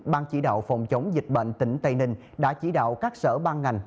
ban chỉ đạo phòng chống dịch bệnh tỉnh tây ninh đã chỉ đạo các sở ban ngành